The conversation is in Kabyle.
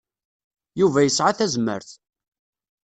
Yuba yesɛa tazmert.